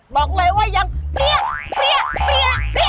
บอกเลยว่ายังเปรี้ยเปรี้ยเปรี้ย